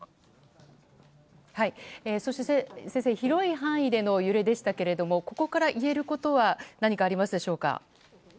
そして、先生広い範囲での揺れでしたがここからいえることは何かありますでしょうか。